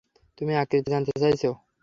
তুমি আকৃতি জানতে চাইছ।